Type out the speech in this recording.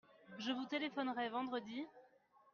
Je vous téléphonerai vendredi.